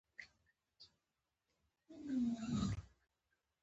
آزاد تجارت مهم دی ځکه چې د ناروغیو مخنیوی کوي.